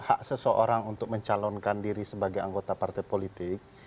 hak seseorang untuk mencalonkan diri sebagai anggota partai politik